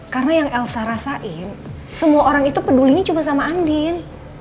karena yang elsa rasain semua orang itu pedulinya cuma sama andin